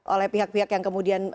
oleh pihak pihak yang kemudian